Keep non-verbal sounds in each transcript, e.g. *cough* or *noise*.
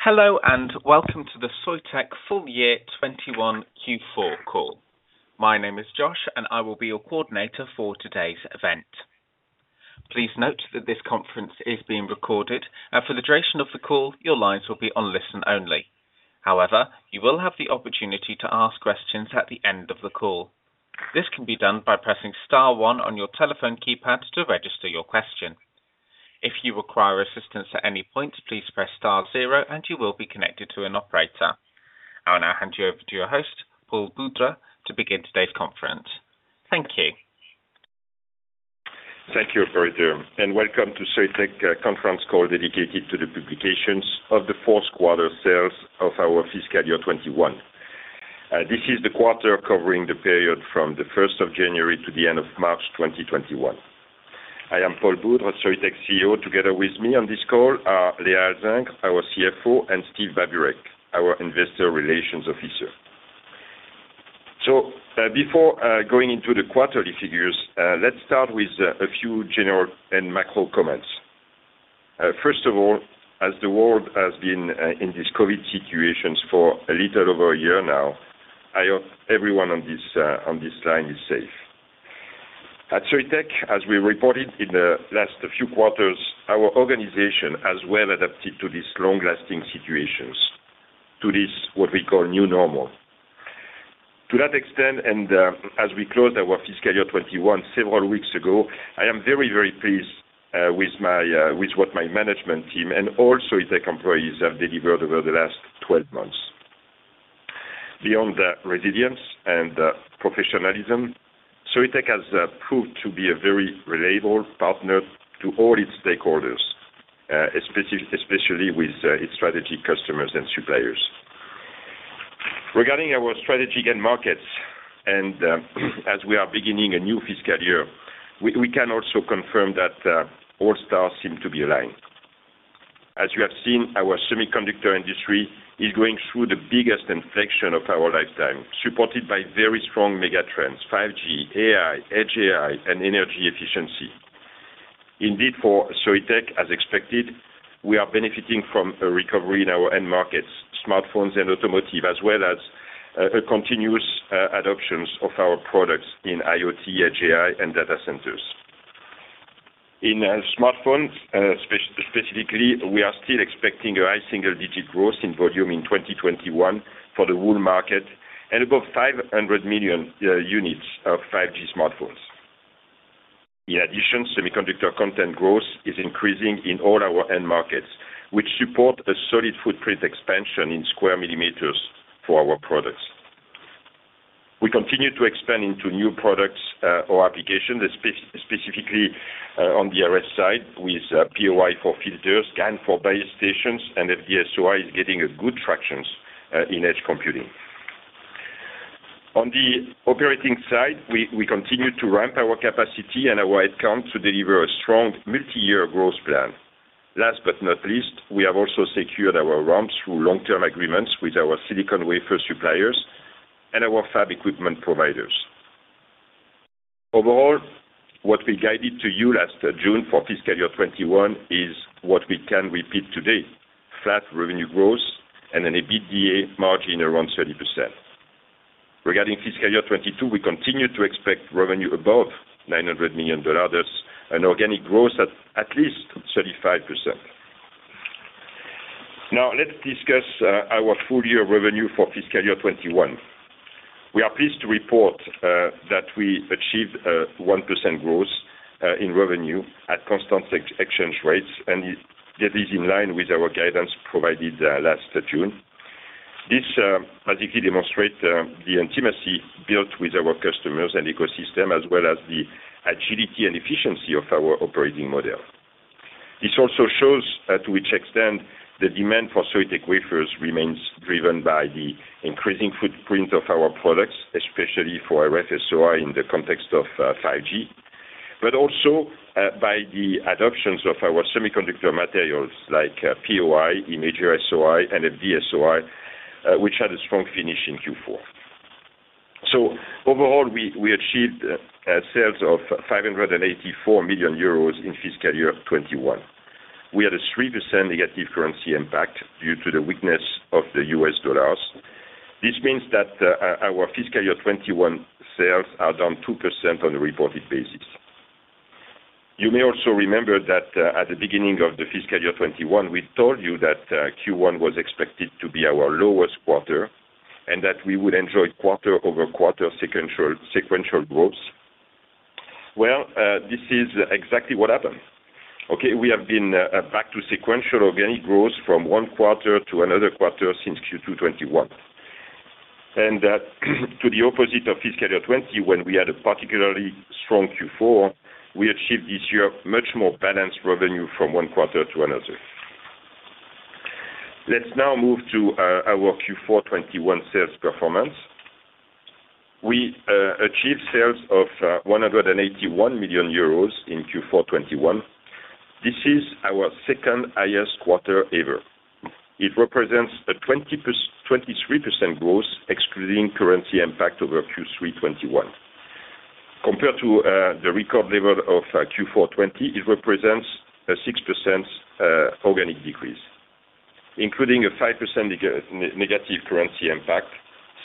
Hello, welcome to the Soitec full year 2021 Q4 call. My name is Josh, and I will be your coordinator for today's event. Please note that this conference is being recorded, and for the duration of the call, your lines will be on listen only. However, you will have the opportunity to ask questions at the end of the call. This can be done by pressing star one on your telephone keypad to register your question. If you require assistance at any point, please press star zero and you will be connected to an operator. I will now hand you over to your host, Paul Boudre, to begin today's conference. Thank you. Thank you operator, welcome to Soitec conference call dedicated to the publications of the fourth quarter sales of our Fiscal Year 2021. This is the quarter covering the period from the 1st of January to the end of March 2021. I am Paul Boudre, Soitec CEO. Together with me on this call are Léa Alzingre, our CFO, and Steve Babureck, our Investor Relations Officer. Before going into the quarterly figures, let's start with a few general and macro comments. First of all, as the world has been in this COVID situation for a little over a year now, I hope everyone on this line is safe. At Soitec, as we reported in the last few quarters, our organization has well adapted to these long-lasting situations, to this what we call new normal. To that extent, as we closed our Fiscal Year 2021 several weeks ago, I am very, very pleased with what my management team and all Soitec employees have delivered over the last 12 months. Beyond the resilience and professionalism, Soitec has proved to be a very reliable partner to all its stakeholders, especially with its strategy customers and suppliers. Regarding our strategy and markets, as we are beginning a new fiscal year, we can also confirm that all stars seem to be aligned. As you have seen, our semiconductor industry is going through the biggest inflection of our lifetime, supported by very strong mega trends, 5G, AI, edge AI, and energy efficiency. Indeed, for Soitec, as expected, we are benefiting from a recovery in our end markets, smartphones and automotive, as well as a continuous adoption of our products in IoT, edge AI, and data centers. In smartphones, specifically, we are still expecting a high single-digit growth in volume in 2021 for the whole market, and above 500 million units of 5G smartphones. In addition, semiconductor content growth is increasing in all our end markets, which support a solid footprint expansion in square millimeters for our products. We continue to expand into new products or applications, specifically on the RF side with POI for filters, GaN for base stations, and FD-SOI is getting a good traction in edge computing. On the operating side, we continue to ramp our capacity and our head count to deliver a strong multiyear growth plan. Last but not least, we have also secured our ramp through long-term agreements with our silicon wafer suppliers and our fab equipment providers. Overall, what we guided to you last June for Fiscal Year 2021 is what we can repeat today, flat revenue growth and an EBITDA margin around 30%. Regarding Fiscal Year 2022, we continue to expect revenue above $900 million, thus an organic growth at least 35%. Let's discuss our full year revenue for Fiscal Year 2021. We are pleased to report that we achieved 1% growth in revenue at constant exchange rates, it is in line with our guidance provided last June. This particularly demonstrate the intimacy built with our customers and ecosystem, as well as the agility and efficiency of our operating model. This also shows to which extent the demand for Soitec wafers remains driven by the increasing footprint of our products, especially for RF-SOI in the context of 5G. Also by the adoptions of our semiconductor materials like POI, Imager-SOI, and FD-SOI, which had a strong finish in Q4. Overall, we achieved sales of 584 million euros in Fiscal Year 2021. We had a 3% negative currency impact due to the weakness of the U.S. dollars. This means that our Fiscal Year 2021 sales are down 2% on a reported basis. You may also remember that at the beginning of the Fiscal Year 2021, we told you that Q1 was expected to be our lowest quarter, and that we would enjoy quarter-over-quarter sequential growth. Well, this is exactly what happened. Okay, we have been back to sequential organic growth from one quarter to another quarter since Q2 2021. That to the opposite of Fiscal Year 2020, when we had a particularly strong Q4, we achieved this year much more balanced revenue from one quarter to another. Let's now move to our Q4 2021 sales performance. We achieved sales of 181 million euros in Q4 2021. This is our second highest quarter ever. It represents a 23% growth excluding currency impact over Q3 2021. Compared to the record level of Q4 2020, it represents a 6% organic decrease. Including a 5% negative currency impact,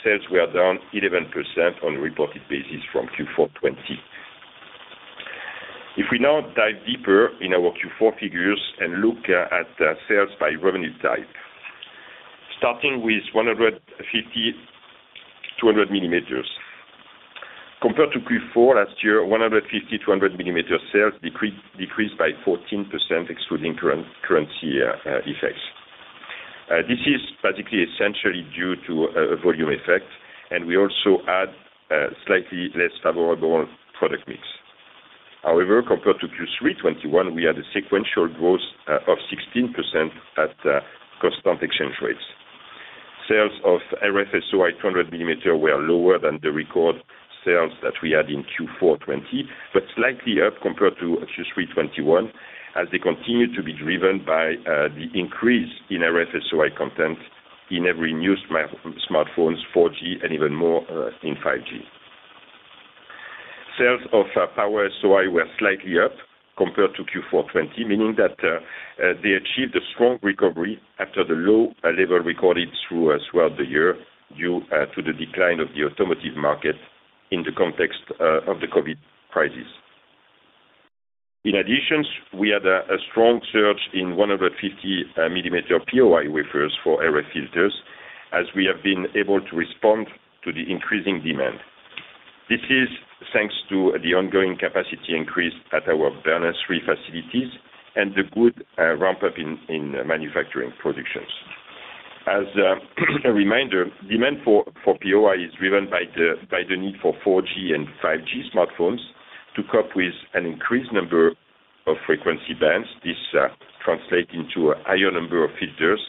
sales were down 11% on a reported basis from Q4 2020. If we now dive deeper in our Q4 figures and look at sales by revenue type. Starting with 150 mm, 200 mm. Compared to Q4 last year, 150 mm, 200 mm sales decreased by 14%, excluding current currency effects. This is essentially due to a volume effect, and we also add slightly less favorable product mix. However, compared to Q3 2021, we had a sequential growth of 16% at constant exchange rates. Sales of RF-SOI 200 mm were lower than the record sales that we had in Q4 2020, but slightly up compared to Q3 2021, as they continue to be driven by the increase in RF-SOI content in every new smartphones 4G and even more in 5G. Sales of Power-SOI were slightly up compared to Q4 2020, meaning that they achieved a strong recovery after the low level recorded throughout the year, due to the decline of the automotive market in the context of the COVID crisis. In addition, we had a strong surge in 150 mm POI wafers for RF filters, as we have been able to respond to the increasing demand. This is thanks to the ongoing capacity increase at our Bernin 3 facilities and the good ramp-up in manufacturing productions. As a reminder, demand for POI is driven by the need for 4G and 5G smartphones to cope with an increased number of frequency bands. This translates into a higher number of filters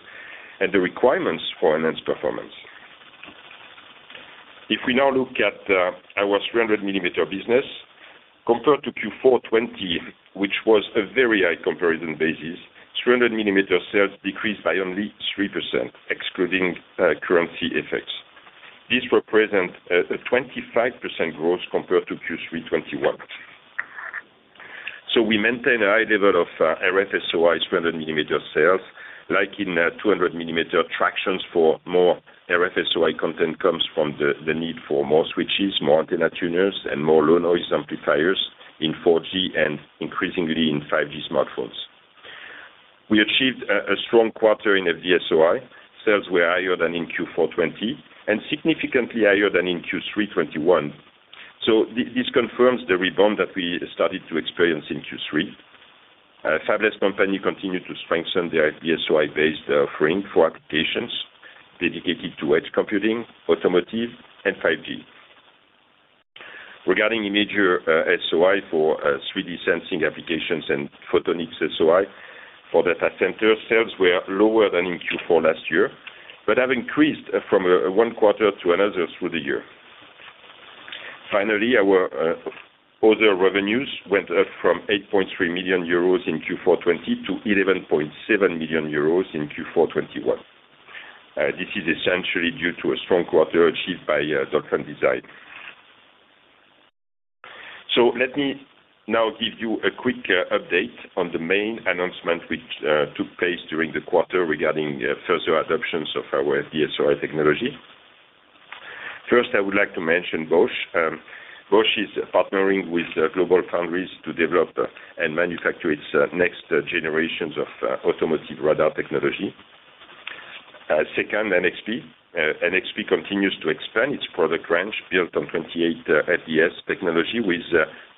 and the requirements for enhanced performance. If we now look at our 300 mm business, compared to Q4 2020, which was a very high comparison basis, 300 mm sales decreased by only 3%, excluding currency effects. This represent a 25% growth compared to Q3 2021. We maintain a high level of RF-SOI 300 mm sales, like in 200 mm tractions for more RF-SOI content comes from the need for more switches, more antenna tuners, and more low noise amplifiers in 4G and increasingly in 5G smartphones. We achieved a strong quarter in FD-SOI. Sales were higher than in Q4 2020 and significantly higher than in Q3 2021. This confirms the rebound that we started to experience in Q3. Fabless company continued to strengthen their FD-SOI based offering for applications dedicated to edge computing, automotive, and 5G. Regarding Imager-SOI for 3D sensing applications and Photonics-SOI for data center sales were lower than in Q4 last year, but have increased from one quarter to another through the year. Finally, our other revenues went up from 8.3 million euros in Q4 2020 to 11.7 million euros in Q4 2021. This is essentially due to a strong quarter achieved by Dolphin Design. Let me now give you a quick update on the main announcement which took place during the quarter regarding further adoptions of our FD-SOI technology. First, I would like to mention Bosch. Bosch is partnering with GlobalFoundries to develop and manufacture its next generations of automotive radar technology. Second, NXP. NXP continues to expand its product range built on 28 nm FD-SOI technology with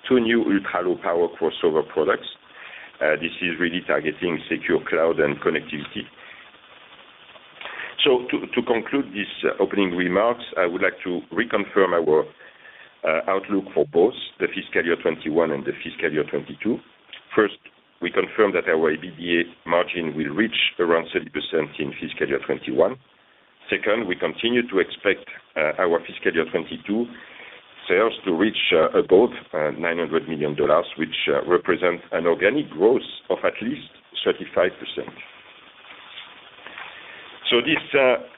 two new ultra low power crossover products. This is really targeting secure cloud and connectivity. To conclude these opening remarks, I would like to reconfirm our outlook for both the Fiscal Year 2021 and the Fiscal Year 2022. First, we confirm that our EBITDA margin will reach around 30% in Fiscal Year 2021. Second, we continue to expect our Fiscal Year 2022 sales to reach above $900 million, which represent an organic growth of at least 35%. This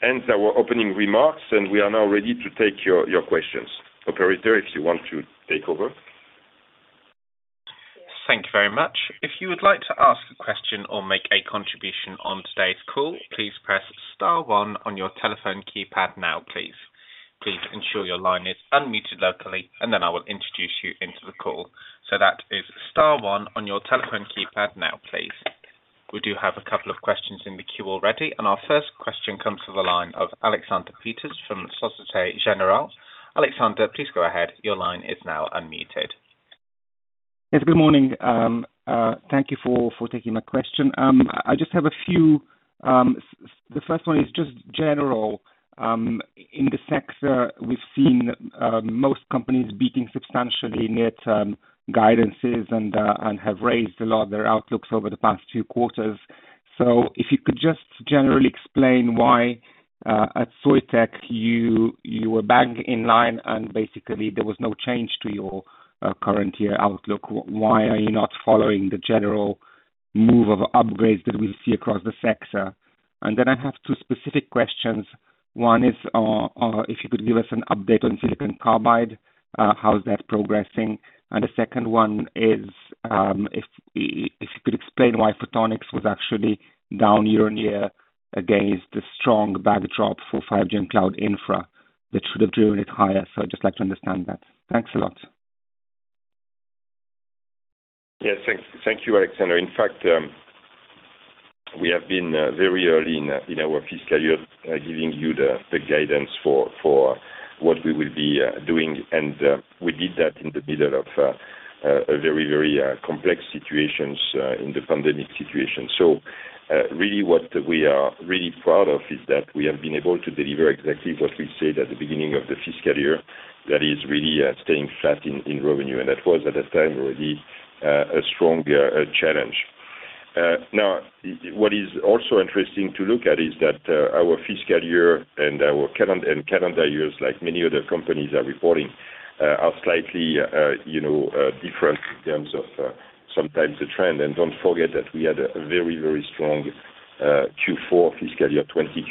ends our opening remarks, and we are now ready to take your questions. Operator, if you want to take over. Thank you very much. If you would like to ask a question or make a contribution on today's call, please press star one on your telephone keypad now, please. Please ensure your line is unmuted locally, then I will introduce you into the call. That is star one on your telephone keypad now, please. We do have a couple of questions in the queue already, our first question comes to the line of Alexander Peterc from Société Générale. Alexander, please go ahead. Your line is now unmuted. Yes, good morning. Thank you for taking my question. I just have a few. The first one is just general. In the sector, we've seen most companies beating substantially net guidances and have raised a lot of their outlooks over the past two quarters. If you could just generally explain why, at Soitec, you were bang in line and basically there was no change to your current year outlook. Why are you not following the general move of upgrades that we see across the sector? Then I have two specific questions. One is, if you could give us an update on silicon carbide, how's that progressing? The second one is, if you could explain why photonics was actually down year-on-year against the strong backdrop for 5G and cloud infra, that should have driven it higher. I'd just like to understand that. Thanks a lot. Yes. Thank you, Alexander. In fact, we have been very early in our fiscal year, giving you the guidance for what we will be doing. We did that in the middle of a very complex situations, in the pandemic situation. Really, what we are really proud of is that we have been able to deliver exactly what we said at the beginning of the fiscal year. That is really staying flat in revenue. That was, at the time already, a strong challenge. Now, what is also interesting to look at is that our fiscal year and calendar years, like many other companies are reporting, are slightly different in terms of sometimes the trend. Don't forget that we had a very strong Q4 Fiscal Year 2020.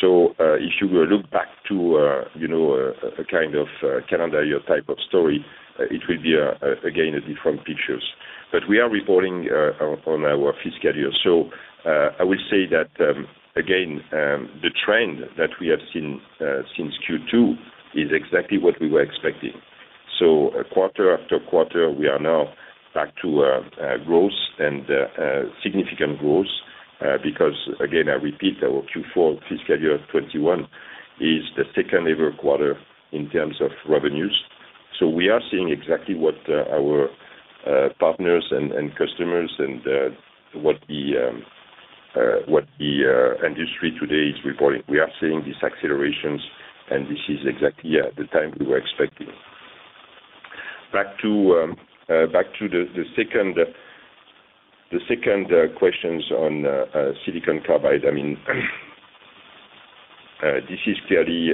If you were look back to a kind of calendar year type of story, it will be, again, a different pictures, but we are reporting on our fiscal year. I will say that, again, the trend that we have seen since Q2 is exactly what we were expecting. Quarter-after-quarter, we are now back to significant growth, because again, I repeat our Q4 Fiscal Year 2021 is the second-ever quarter in terms of revenues. We are seeing exactly what our partners and customers and what the industry today is reporting. We are seeing these accelerations, and this is exactly at the time we were expecting. Back to the second questions on silicon carbide. I mean, this is clearly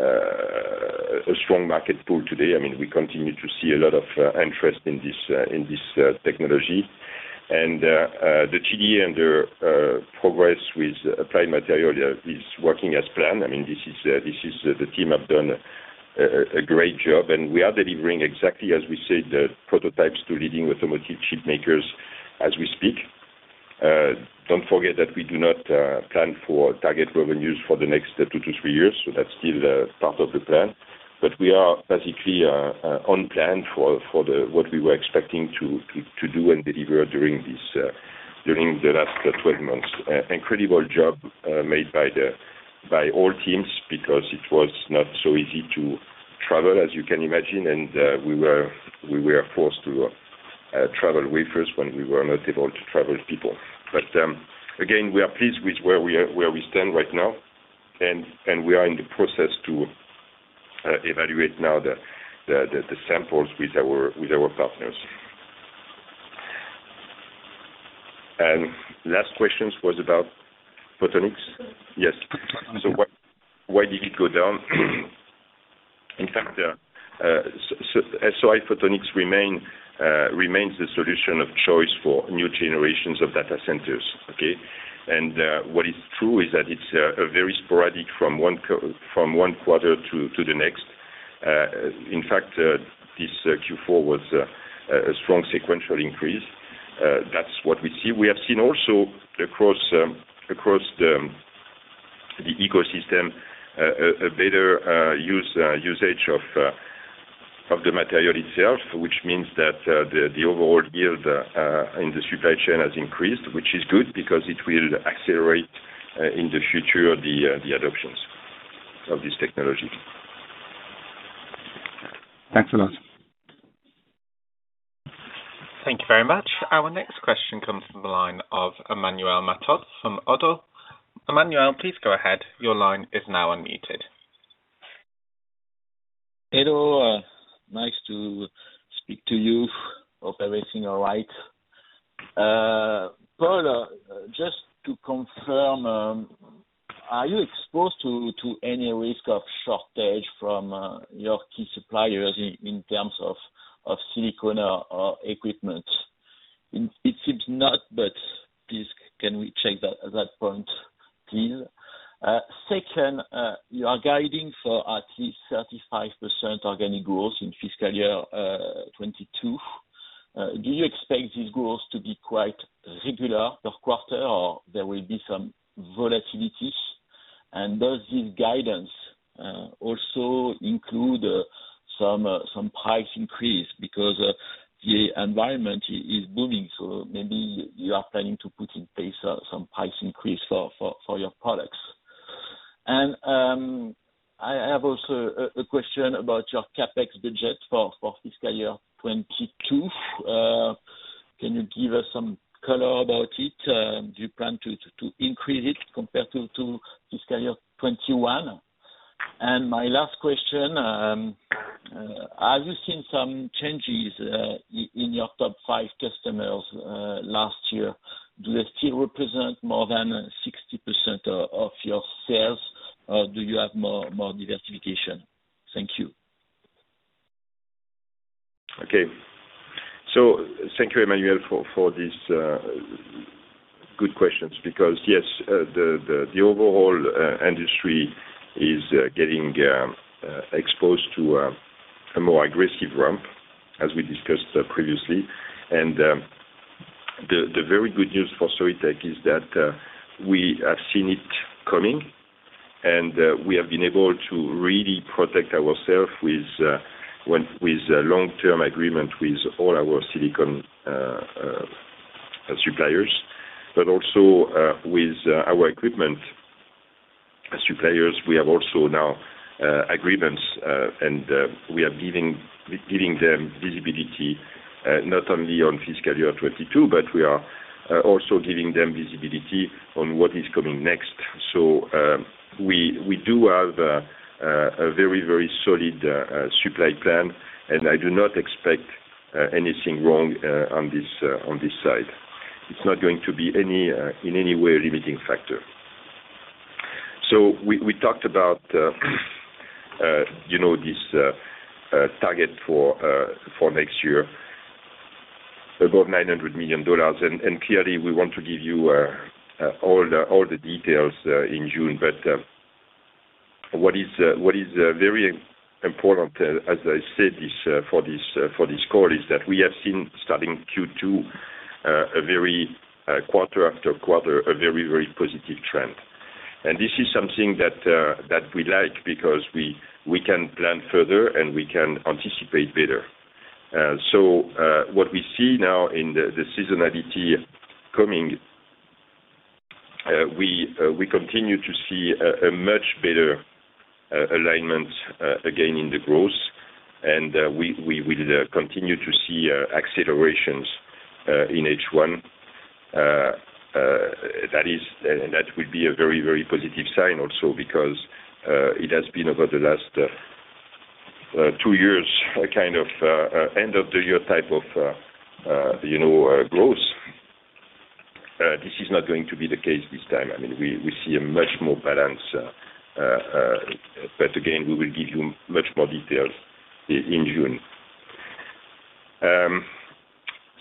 a strong market pull to today. We continue to see a lot of interest in this technology. The JDA and the progress with Applied Materials is working as planned. The team have done a great job, and we are delivering exactly as we said, the prototypes to leading automotive chip makers as we speak. Don't forget that we do not plan for target revenues for the next two to three years. That's still part of the plan. We are basically on plan for what we were expecting to do and deliver during the last 12 months. Incredible job made by all teams because it was not so easy to travel, as you can imagine. We were forced to travel wafers when we were not able to travel people. Again, we are pleased with where we stand right now, and we are in the process to evaluate now the samples with our partners. Last questions was about photonics. Yes. Why did it go down? Photonics-SOI remains the solution of choice for new generations of data centers. Okay. What is true is that it's very sporadic from one quarter to the next. This Q4 was a strong sequential increase. That's what we see. We have seen also across the ecosystem, a better usage of the material itself, which means that the overall yield in the supply chain has increased, which is good because it will accelerate in the future, the adoptions of this technology. Thanks a lot. Thank you very much. Our next question comes from the line of Emmanuel Matot from ODDO BHF. Emmanuel, please go ahead. Your line is now unmuted. Hello. Nice to speak to you. Hope everything all right. Paul, just to confirm, are you exposed to any risk of shortage from your key suppliers in terms of silicon or equipment? It seems not, but please can we check that at that point, please? Second, you are guiding for at least 35% organic growth in Fiscal Year 2022. Do you expect these growths to be quite regular per quarter, or there will be some volatilities? Does this guidance also include some price increase because the environment is booming, so maybe you are planning to put in place some price increase for your products. I have also a question about your CapEx budget for Fiscal Year 2022. Can you give us some color about it? Do you plan to increase it compared to Fiscal Year 2021? My last question, have you seen some changes in your top five customers last year? Do they still represent more than 60% of your sales, or do you have more diversification? Thank you. Okay. Thank you, Emmanuel, for these good questions because yes, the overall industry is getting exposed to a more aggressive ramp, as we discussed previously. The very good news for Soitec is that we have seen it coming, and we have been able to really protect ourselves with a long-term agreement with all our silicon suppliers, but also with our equipment suppliers. We have also now agreements, and we are giving them visibility not only on Fiscal Year 2022, but we are also giving them visibility on what is coming next. We do have a very solid supply plan, and I do not expect anything wrong on this side. It's not going to be in any way a limiting factor. We talked about this target for next year, about $900 million. Clearly, we want to give you all the details in June. What is very important, as I said, for this call is that we have seen, starting Q2, quarter-after-quarter, a very positive trend. This is something that we like because we can plan further, and we can anticipate better. What we see now in the seasonality coming, we continue to see a much better alignment again in the growth. We will continue to see accelerations in H1. That will be a very positive sign also because it has been, over the last two years, a kind of end-of-the-year type of growth. This is not going to be the case this time. We see a much more balance. Again, we will give you much more details in June.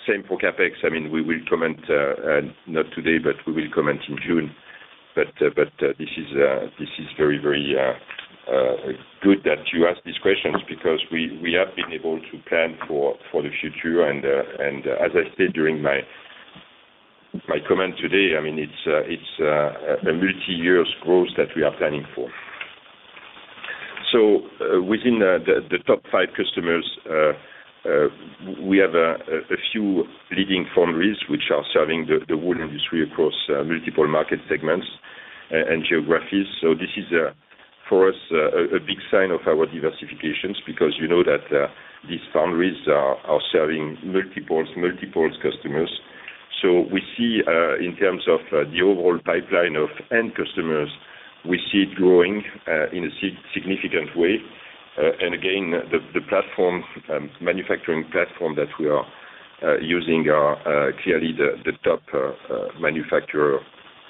Same for CapEx. We will comment, not today, but we will comment in June. This is very good that you ask these questions because we have been able to plan for the future. As I said during my comment today, it's a multi-year growth that we are planning for. Within the top five customers, we have a few leading foundries which are serving the whole industry across multiple market segments and geographies. This is, for us, a big sign of our diversifications because you know that these foundries are serving multiples customers. We see, in terms of the overall pipeline of end customers, we see it growing in a significant way. Again, the manufacturing platform that we are using are clearly the top manufacturer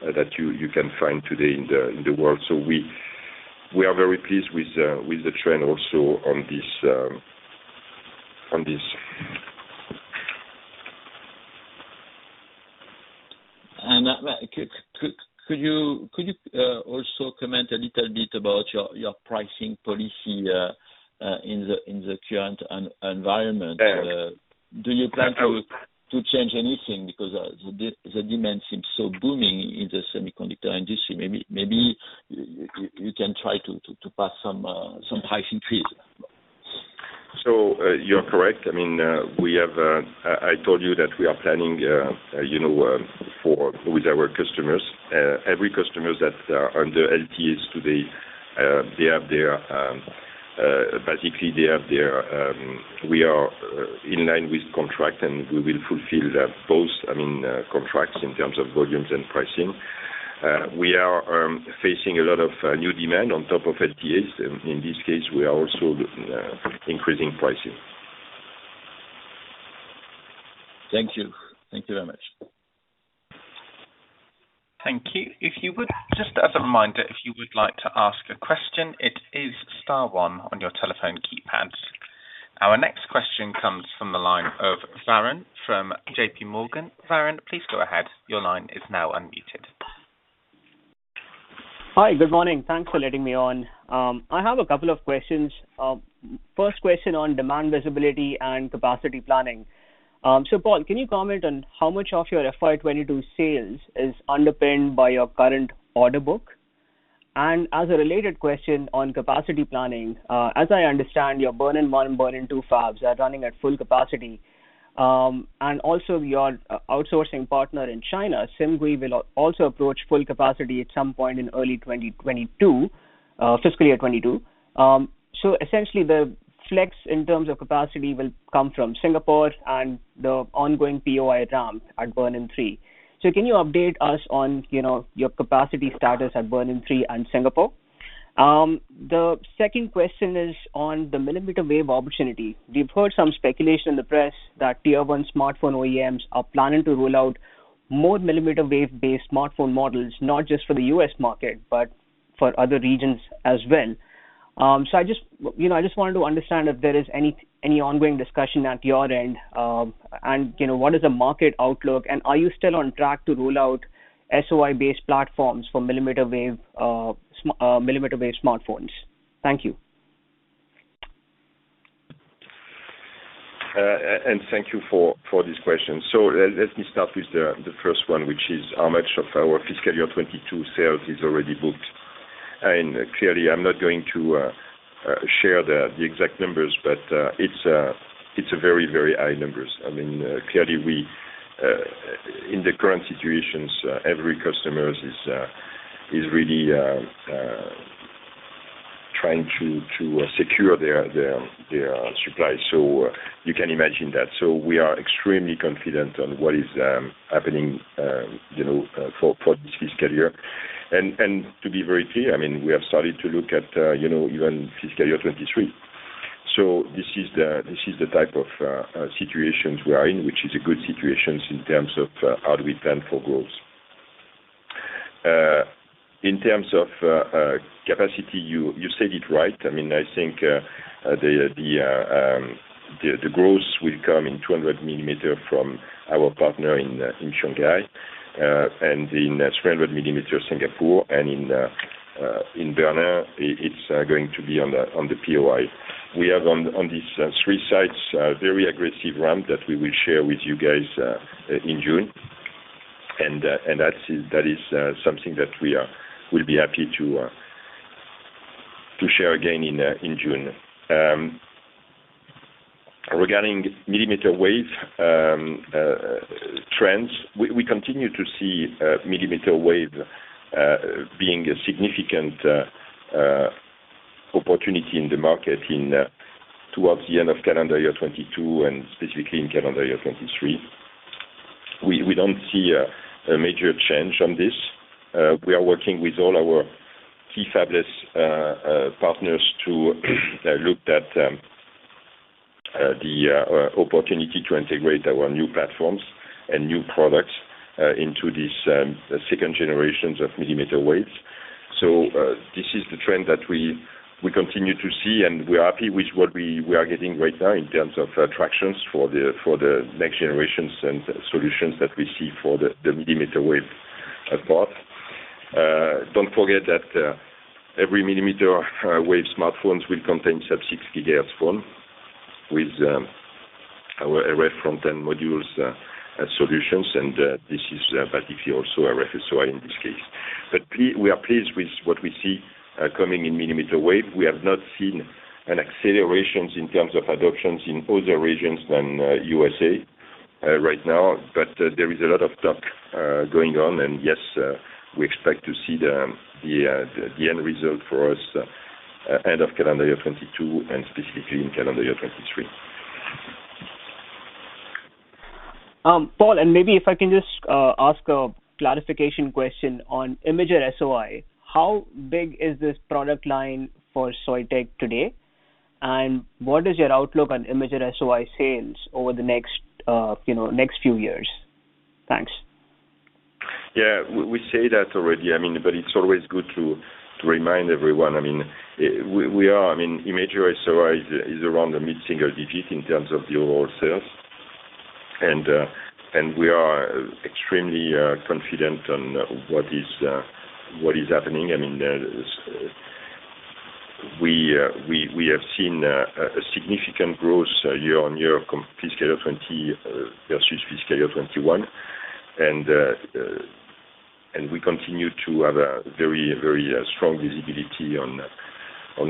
that you can find today in the world. We are very pleased with the trend also on this. Could you also comment a little bit about your pricing policy in the current environment? Yeah. Do you plan to change anything because the demand seems so booming in the semiconductor industry? Maybe you can try to pass some price increase? You're correct. I told you that we are planning with our customers. Every customer that are under LTAs today, basically we are in line with contract, and we will fulfill both contracts in terms of volumes and pricing. We are facing a lot of new demand on top of LTAs. In this case, we are also increasing pricing. Thank you. Thank you very much. Thank you. Just as a reminder, if you would like to ask a question, it is star one on your telephone keypads. Our next question comes from the line of Varun from JPMorgan. Varun, please go ahead. Your line is now unmuted. Hi. Good morning. Thanks for letting me on. I have a couple of questions. First question on demand visibility and capacity planning. Paul, can you comment on how much of your FY 2022 sales is underpinned by your current order book? As a related question on capacity planning, as I understand, your Bernin 1 and Bernin 2 fabs are running at full capacity. Also, your outsourcing partner in China, Simgui, will also approach full capacity at some point in early 2022, Fiscal Year 2022. Essentially, the flex in terms of capacity will come from Singapore and the ongoing POI ramp at Bernin 3. Can you update us on your capacity status at Bernin 3 and Singapore? The second question is on the mmWave opportunity. We've heard some speculation in the press that Tier 1 smartphone OEMs are planning to roll out more mmWave-based smartphone models, not just for the U.S. market, but for other regions as well. I just wanted to understand if there is any ongoing discussion at your end, and what is the market outlook, and are you still on track to roll out SOI-based platforms for millimeter-based smartphones? Thank you. Thank you for this question. Let me start with the first one, which is how much of our Fiscal Year 2022 sales is already booked. Clearly, I'm not going to share the exact numbers, but it's a very, very high numbers. Clearly, in the current situations, every customer is really trying to secure their supply. You can imagine that. We are extremely confident on what is happening for this fiscal year. To be very clear, we have started to look at even Fiscal Year 2023. This is the type of situations we are in, which is a good situation in terms of how do we plan for growth. In terms of capacity, you said it right. I think the growth will come in 200 mm from our partner in Simgui, in 300 mm Singapore, and in Bernin, it's going to be on the POI. We have, on these three sites, a very aggressive ramp that we will share with you guys in June. That is something that we'll be happy to share again in June. Regarding mmWave trends, we continue to see mmWave being a significant opportunity in the market towards the end of calendar year 2022 and specifically in calendar year 2023. We don't see a major change on this. We are working with all our key fabless partners to look at the opportunity to integrate our new platforms and new products into this second generations of mmWaves. This is the trend that we continue to see, and we're happy with what we are getting right now in terms of traction for the next generations and solutions that we see for the mmWave part. Don't forget that every mmWave smartphones will contain sub-6 GHz phone with our RF front-end modules solutions, and this is basically also RF-SOI in this case. We are pleased with what we see coming in mmWave. We have not seen an acceleration in terms of adoptions in other regions than U.S.A. Right now, there is a lot of talk going on, and yes, we expect to see the end result for us end of calendar year 2022 and specifically in calendar year 2023. Paul, maybe if I can just ask a clarification question on Imager-SOI. How big is this product line for Soitec today? What is your outlook on Imager-SOI sales over the next few years? Thanks. Yeah. We say that already, but it's always good to remind everyone. Imager-SOI is around the mid-single digit in terms of the overall sales. We are extremely confident on what is happening. We have seen a significant growth year-over-year Fiscal Year 2020 versus Fiscal Year 2021. We continue to have a very strong visibility on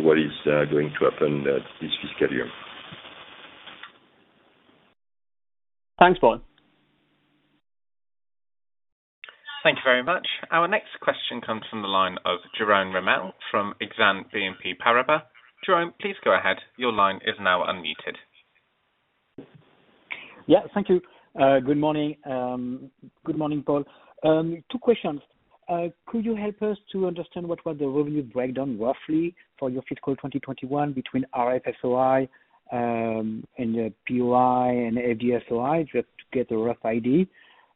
what is going to happen this fiscal year. Thanks, Paul. Thank you very much. Our next question comes from the line of Jerome Ramel from Exane BNP Paribas. Jerome, please go ahead. Thank you. Good morning. Good morning, Paul. Two questions. Could you help us to understand what was the revenue breakdown, roughly, for your fiscal 2021 between RF-SOI and the POI and FD-SOI, just to get a rough idea?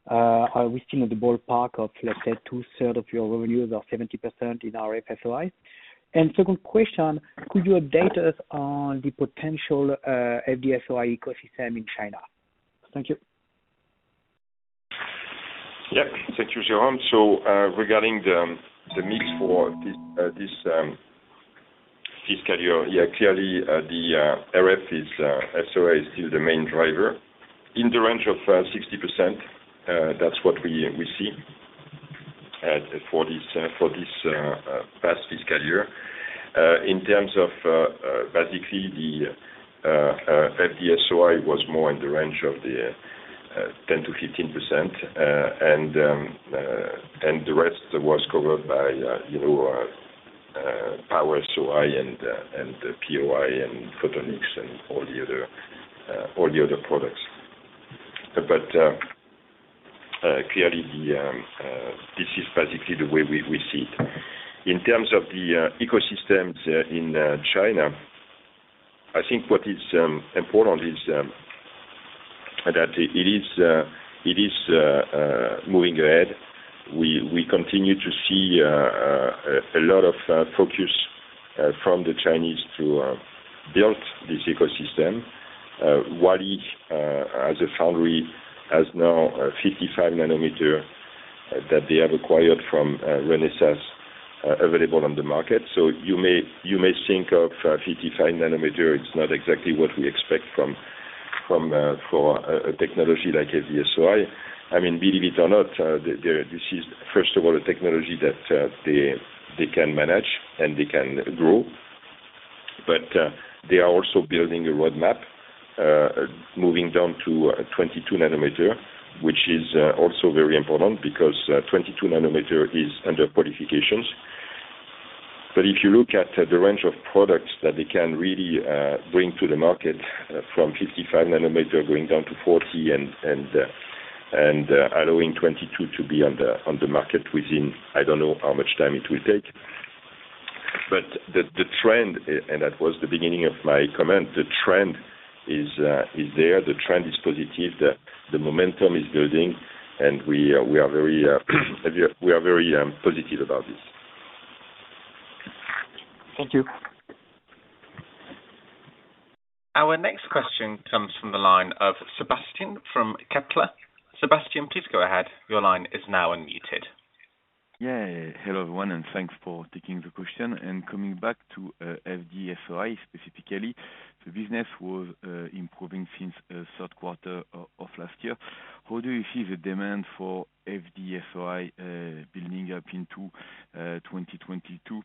Are we still in the ballpark of, let's say, 2/3 of your revenues or 70% in RF-SOI? Second question, could you update us on the potential FD-SOI ecosystem in China? Thank you. Thank you, Jerome. Regarding the mix for this fiscal year, clearly, the RF-SOI is still the main driver. In the range of 60%, that's what we see for this past fiscal year. In terms of the FD-SOI was more in the range of 10%-15%, and the rest was covered by Power-SOI and POI and Photonics-SOI and all the other products. Clearly, this is the way we see it. In terms of the ecosystems in China, I think what is important is that it is moving ahead. We continue to see a lot of focus from the Chinese to build this ecosystem. Huali, as a foundry, has now 55 nm that they have acquired from Renesas available on the market. You may think of 55 nm, it's not exactly what we expect for a technology like FD-SOI. Believe it or not, this is first of all, a technology that they can manage, and they can grow. They are also building a roadmap, moving down to 22 nm, which is also very important because 22 nm is under qualifications. If you look at the range of products that they can really bring to the market from 55 nm going down to 40 nm and allowing 22 nm to be on the market within, I don't know how much time it will take. The trend, and that was the beginning of my comment, the trend is there. The trend is positive. The momentum is building, and we are very positive about this. Thank you. Our next question comes from the line of Sébastien from Kepler. Sébastien, please go ahead. Your line is now unmuted. Hello, everyone, and thanks for taking the question. Coming back to FD-SOI specifically, the business was improving since third quarter of last year. How do you see the demand for FD-SOI building up into 2022?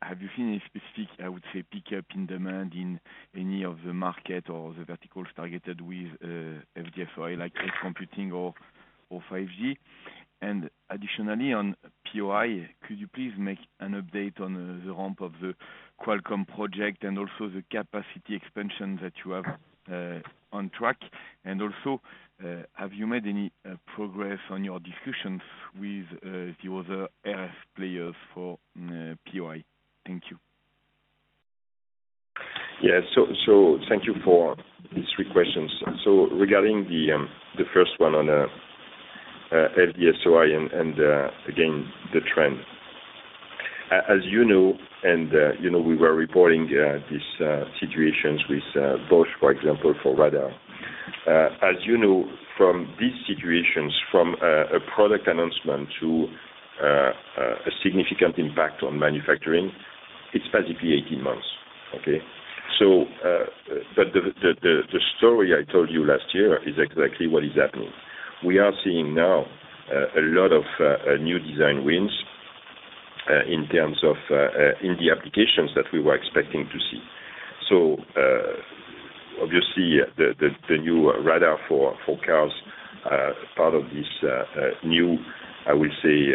Have you seen a specific, I would say, pickup in demand in any of the market or the verticals targeted with FD-SOI, like edge computing or 5G? Additionally, on POI, could you please make an update on the ramp of the Qualcomm project and also the capacity expansion that you have on track? Also, have you made any progress on your discussions with the other RF players for POI? Thank you. Yeah. Thank you for these three questions. Regarding the first one on FD-SOI and again, the trend. As you know, and we were reporting these situations with Bosch, for example, for radar. As you know, from these situations, from a product announcement to a significant impact on manufacturing, it's basically 18 months. Okay? The story I told you last year is exactly what is happening. We are seeing now a lot of new design wins in terms of in the applications that we were expecting to see. Obviously, the new radar for cars, part of this new, I will say,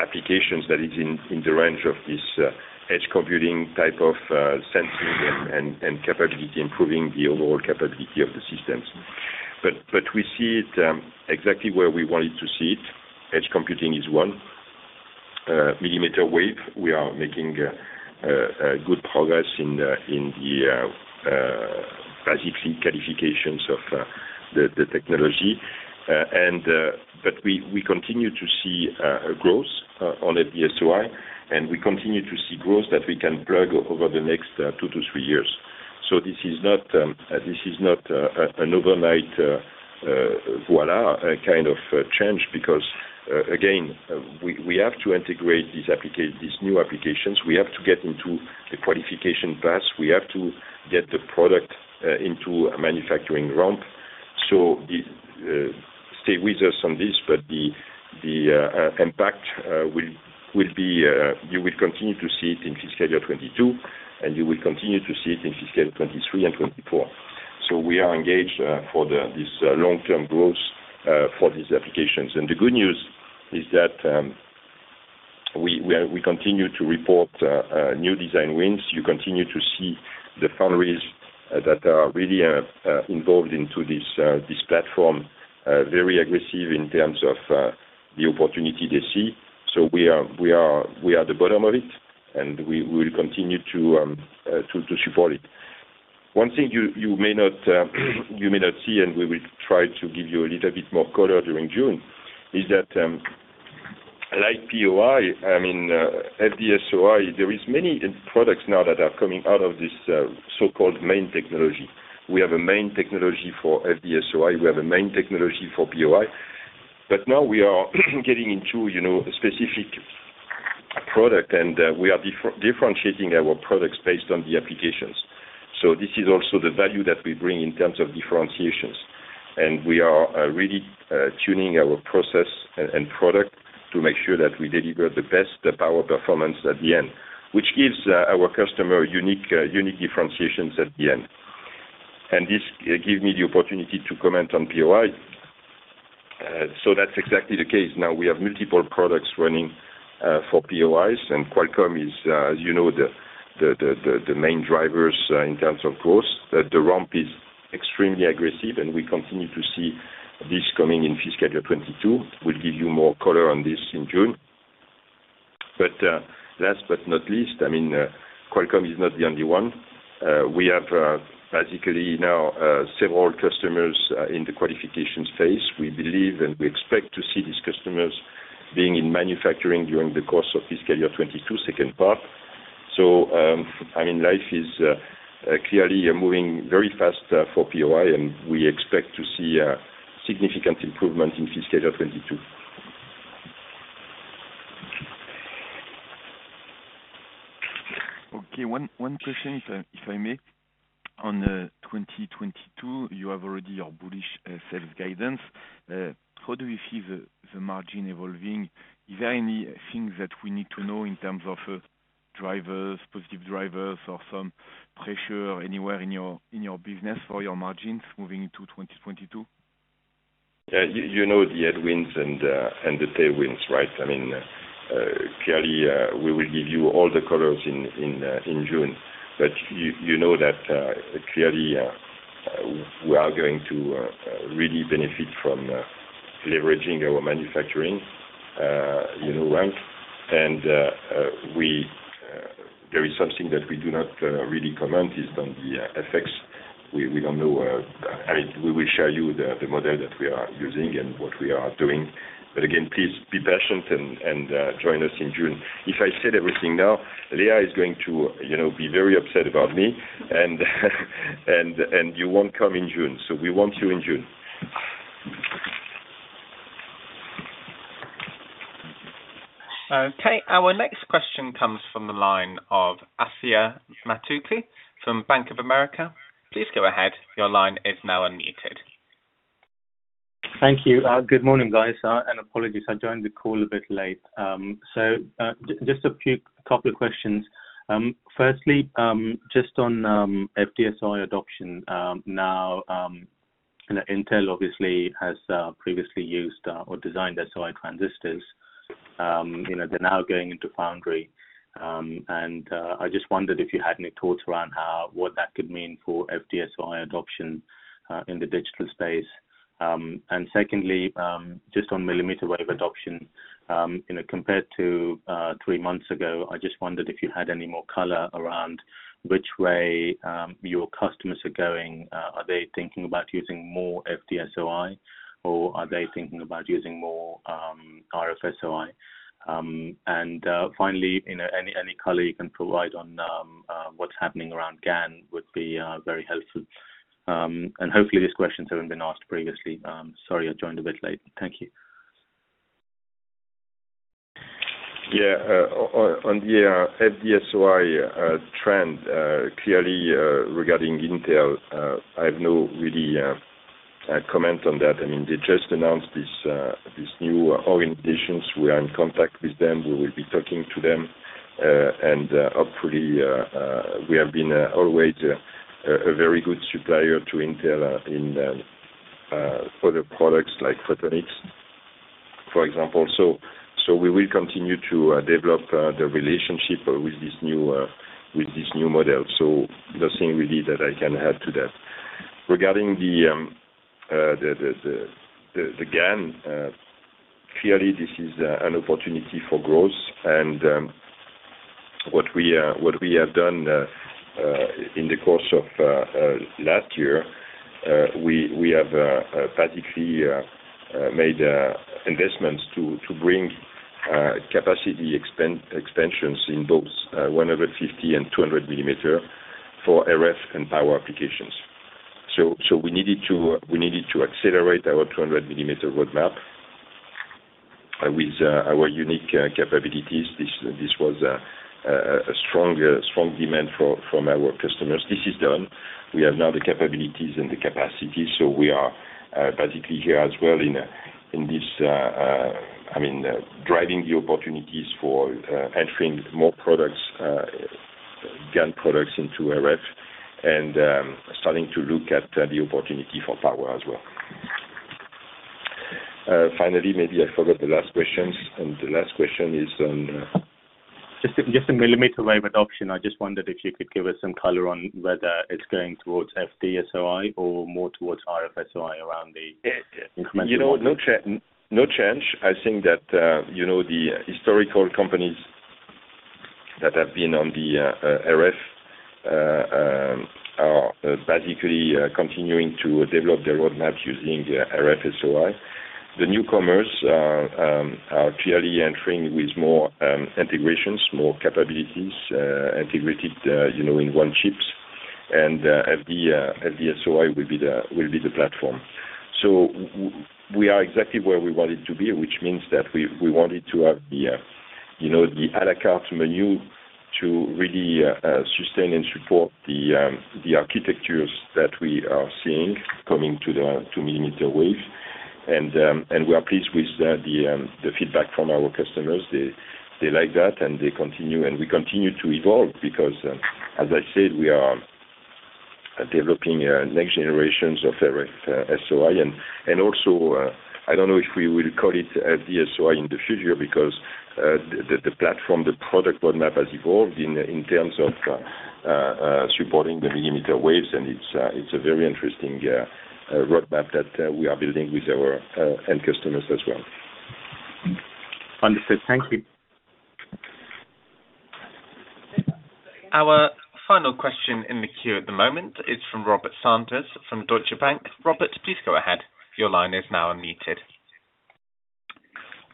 applications that is in the range of this edge computing type of sensing and capability, improving the overall capability of the systems. We see it exactly where we wanted to see it. Edge computing is one, mmWave, we are making good progress in the basically qualifications of the technology. We continue to see growth on FD-SOI, and we continue to see growth that we can plug over the next two to three years. This is not an overnight voila kind of change because, again, we have to integrate these new applications. We have to get into the qualification paths. We have to get the product into a manufacturing ramp. Stay with us on this, but the impact, you will continue to see it in fiscal year 2022, and you will continue to see it in fiscal 2023 and 2024. We are engaged for this long-term growth for these applications. The good news is that we continue to report new design wins. The foundries that are really involved into this platform, very aggressive in terms of the opportunity they see. We are at the bottom of it, and we will continue to support it. One thing you may not see, and we will try to give you a little bit more color during June, is that like POI, I mean FD-SOI, there is many products now that are coming out of this so-called main technology. We have a main technology for FD-SOI. We have a main technology for POI. Now we are getting into specific product, and we are differentiating our products based on the applications. This is also the value that we bring in terms of differentiations. We are really tuning our process and product to make sure that we deliver the best power performance at the end, which gives our customer unique differentiations at the end. This give me the opportunity to comment on POI. That's exactly the case. Now we have multiple products running for POIs, and Qualcomm is, as you know, the main drivers in terms of growth. The ramp is extremely aggressive, and we continue to see this coming in Fiscal Year 2022. We'll give you more color on this in June. Last but not least, Qualcomm is not the only one. We have basically now several customers in the qualification phase. We believe and we expect to see these customers being in manufacturing during the course of Fiscal Year 2022 second part. Life is clearly moving very fast for POI, and we expect to see a significant improvement in Fiscal Year 2022. Okay. One question, if I may. On 2022, you have already your bullish sales guidance. How do you see the margin evolving? Is there anything that we need to know in terms of positive drivers or some pressure anywhere in your business or your margins moving into 2022? You know the headwinds and the tailwinds, right? Clearly, we will give you all the colors in June. You know that clearly, we are going to really benefit from leveraging our manufacturing ramp. There is something that we do not really comment is on the FX. We will show you the model that we are using and what we are doing. Again, please be patient and join us in June. If I said everything now, Lea is going to be very upset about me and you won't come in June. We want you in June. Okay. Our next question comes from the line of Adithya Metuku from Bank of America. Please go ahead. Your line is now unmuted. Thank you. Good morning, guys. Apologies, I joined the call a bit late. Just a couple of questions. Firstly, just on FD-SOI adoption. Intel obviously has previously used or designed SOI transistors. They're now going into foundry. I just wondered if you had any thoughts around what that could mean for FD-SOI adoption in the digital space. Secondly, just on mmWave adoption. Compared to three months ago, I just wondered if you had any more color around which way your customers are going. Are they thinking about using more FD-SOI, or are they thinking about using more RF-SOI? Finally, any color you can provide on what's happening around GaN would be very helpful. Hopefully these questions haven't been asked previously. Sorry, I joined a bit late. Thank you. Yeah. On the FD-SOI trend, clearly regarding Intel, I have no really comment on that. They just announced these new orientations. We are in contact with them. We will be talking to them. Hopefully, we have been always a very good supplier to Intel in other products like photonics, for example. We will continue to develop the relationship with this new model. Nothing really that I can add to that. Regarding the GaN, clearly this is an opportunity for growth. What we have done in the course of last year, we have basically made investments to bring capacity expansions in both 150 mm and 200 mm for RF and power applications. We needed to accelerate our 200 mm roadmap with our unique capabilities. This was a strong demand from our customers. This is done. We have now the capabilities and the capacity. We are basically here as well in this, driving the opportunities for entering more GaN products into RF, and starting to look at the opportunity for power as well. Finally, maybe I forgot the last questions, and the last question is on? Just the mmWave adoption. I just wondered if you could give us some color on whether it's going towards FD-SOI or more towards RF-SOI around the incremental? No change. I think that the historical companies that have been on the RF are basically continuing to develop their roadmap using RF-SOI. The newcomers are clearly entering with more integrations, more capabilities integrated in one chips, and FD-SOI will be the platform. We are exactly where we wanted to be, which means that we wanted to have the a la carte menu to really sustain and support the architectures that we are seeing coming to mmWave. We are pleased with the feedback from our customers. They like that and they continue, and we continue to evolve because, as I said, we are developing next generations of RF-SOI and also, I don't know if we will call it FD-SOI in the future because the platform, the product roadmap has evolved in terms of supporting the mmWaves, and it's a very interesting roadmap that we are building with our end customers as well. Understood. Thank you. Our final question in the queue at the moment is from Robert Sanders from Deutsche Bank. Robert, please go ahead. Your line is now unmuted.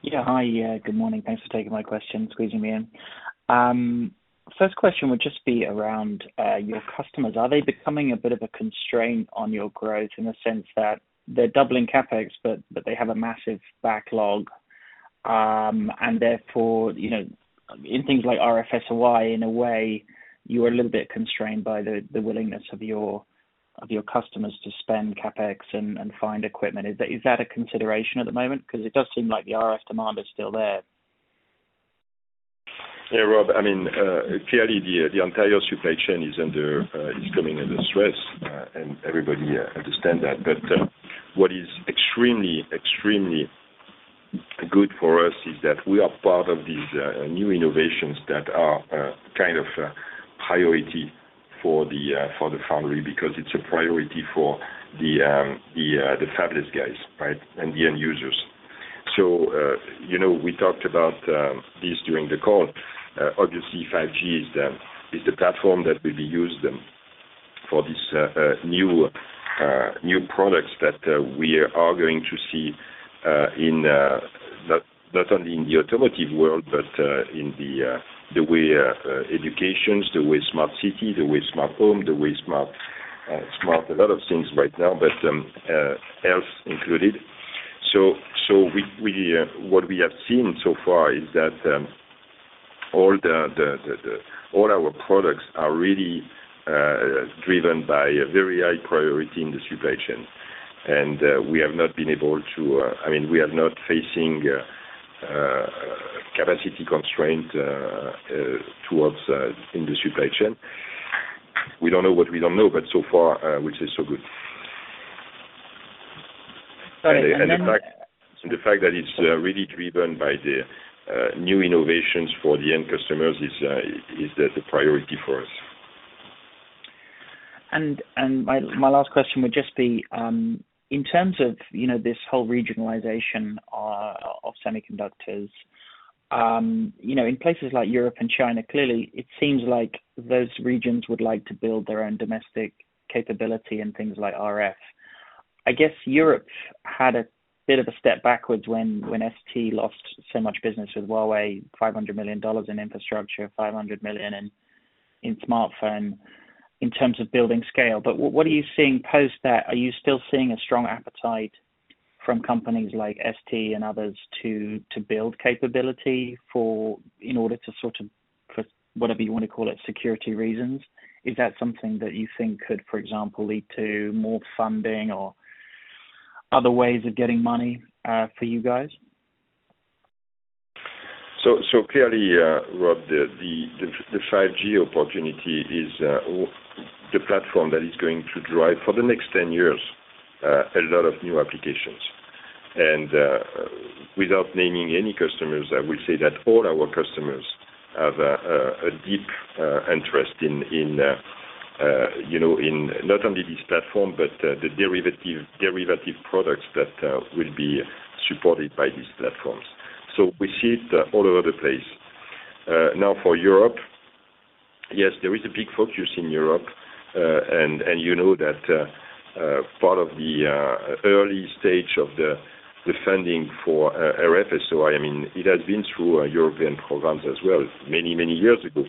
Yeah. Hi. Good morning. Thanks for taking my question, squeezing me in. First question would just be around your customers. Are they becoming a bit of a constraint on your growth in the sense that they're doubling CapEx, but they have a massive backlog? Therefore, in things like RF-SOI, in a way, you are a little bit constrained by the willingness of your customers to spend CapEx and find equipment. Is that a consideration at the moment? It does seem like the RF demand is still there. Yeah, Rob, clearly the entire supply chain is coming under stress, and everybody understands that. What is extremely good for us is that we are part of these new innovations that are kind of a priority for the foundry because it's a priority for the fabless guys, right? The end users. We talked about this during the call. Obviously, 5G is the platform that will be used for these new products that we are going to see not only in the automotive world, but in the way educations, the way smart cities, the way smart home, the way smart a lot of things right now, but health included. What we have seen so far is that all our products are really driven by a very high priority in the supply chain. We are not facing capacity constraint towards in the supply chain. We don't know what we don't know. So far, which is so good. The fact that it's really driven by the new innovations for the end customers is the priority for us. My last question would just be, in terms of this whole regionalization of semiconductors. In places like Europe and China, clearly it seems like those regions would like to build their own domestic capability in things like RF. I guess Europe had a bit of a step backwards when ST lost so much business with Huawei, EUR 500 million in infrastructure, 500 million in smartphone in terms of building scale. What are you seeing post that? Are you still seeing a strong appetite from companies like ST and others to build capability in order to sort of, whatever you want to call it, security reasons? Is that something that you think could, for example, lead to more funding or other ways of getting money for you guys? Clearly, Rob, the 5G opportunity is the platform that is going to drive for the next 10 years, a lot of new applications. Without naming any customers, I will say that all our customers have a deep interest in not only this platform, but the derivative products that will be supported by these platforms. We see it all over the place. For Europe, yes, there is a big focus in Europe. You know that part of the early stage of the funding for RF-SOI, it has been through European programs as well many years ago.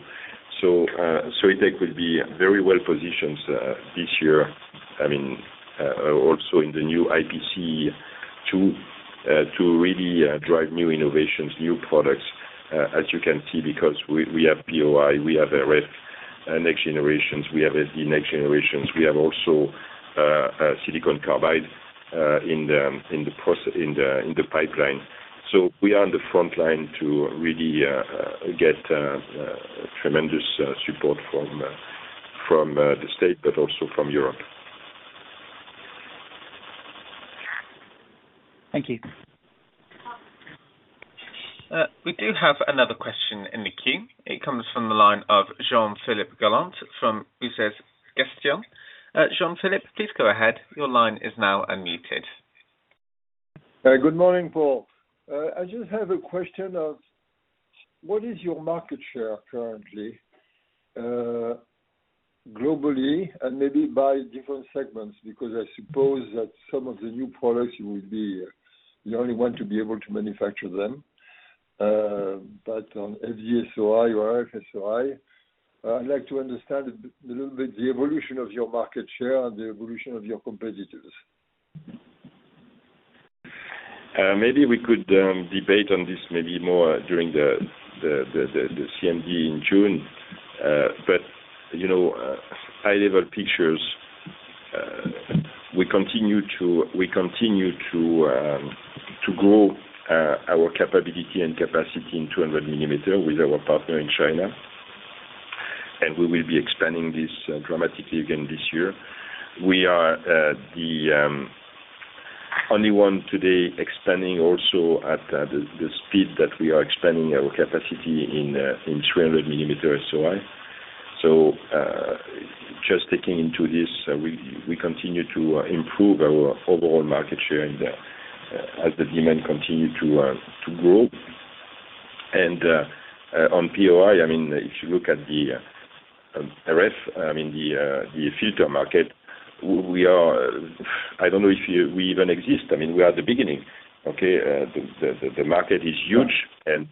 Soitec will be very well positioned this year, also in the new IPCEI to really drive new innovations, new products, as you can see, because we have PIO, we have RF next generations, we have FD next generations. We have also silicon carbide in the pipeline. We are on the front line to really get tremendous support from the state, but also from Europe. Thank you. We do have another question in the queue. It comes from the line of Jean-Philippe Galland from. *audio distortion* Jean-Philippe, please go ahead. Your line is now unmuted. Good morning, Paul. I just have a question of what is your market share currently, globally and maybe by different segments? I suppose that some of the new products, you would be the only one to be able to manufacture them. On FD-SOI or RF-SOI, I'd like to understand a little bit the evolution of your market share and the evolution of your competitors. Maybe we could debate on this maybe more during the CMD in June. High-level pictures, we continue to grow our capability and capacity in 200 mm with our partner in China, and we will be expanding this dramatically again this year. We are the only one today expanding also at the speed that we are expanding our capacity in 300 mm SOI. Just taking into this, we continue to improve our overall market share as the demand continue to grow. On POI, if you look at the RF, the filter market, I don't know if we even exist. We are at the beginning, okay. The market is huge, and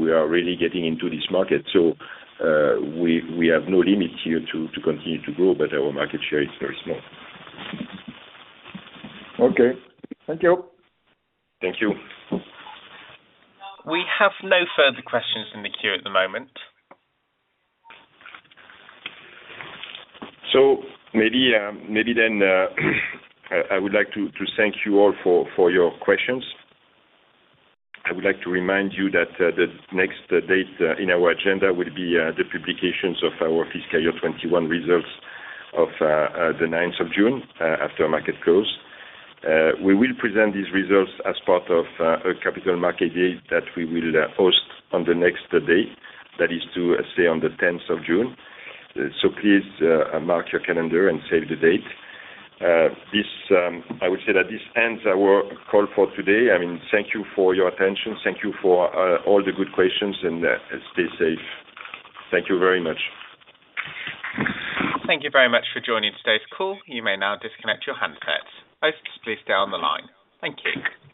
we are really getting into this market. We have no limit here to continue to grow, but our market share is very small. Okay. Thank you. Thank you. We have no further questions in the queue at the moment. Maybe then I would like to thank you all for your questions. I would like to remind you that the next date in our agenda will be the publications of our Fiscal Year 2021 results of the 9th of June, after market close. We will present these results as part of a Capital Markets Day that we will host on the next day. That is to say, on the 10th of June. Please mark your calendar and save the date. I would say that this ends our call for today. Thank you for your attention. Thank you for all the good questions, and stay safe. Thank you very much. Thank you very much for joining today's call. You may now disconnect your handsets. Hosts, please stay on the line. Thank you.